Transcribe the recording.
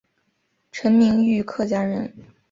陈铭枢客家人。